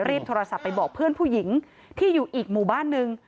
โทรศัพท์ไปบอกเพื่อนผู้หญิงที่อยู่อีกหมู่บ้านนึง